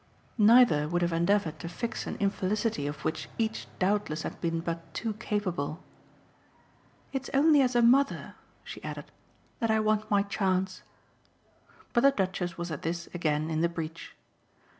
Neither would have endeavoured to fix an infelicity of which each doubtless had been but too capable. "It's only as a mother," she added, "that I want my chance." But the Duchess was at this again in the breach.